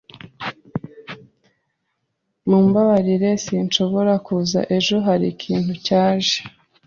Mumbabarire sinshobora kuza ejo. Hari ikintu cyaje.